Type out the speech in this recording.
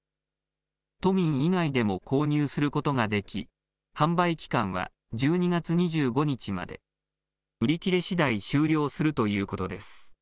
都民以外でも購入することができ、販売期間は１２月２５日まで、売り切れしだい終了するということです。